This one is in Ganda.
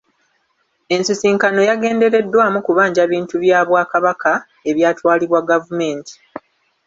Ensisinkano yagendereddwamu kubanja bintu bya Bwakabaka ebyatwalibwa gavumenti.